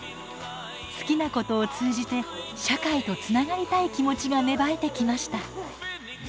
好きなことを通じて社会とつながりたい気持ちが芽生えてきました。